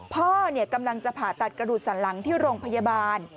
พ่อกำลังจะผ่าตัดกระดูกสันหลังที่โรงพยาบาล